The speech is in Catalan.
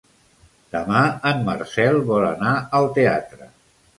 Demà en Marcel vol anar al teatre.